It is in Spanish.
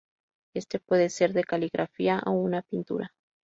Este puede ser de caligrafía o una pintura.